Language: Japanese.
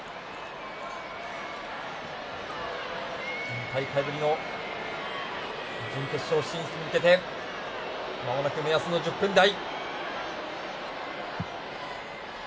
２大会ぶりの準決勝進出に向けてまもなく目安の１０分台。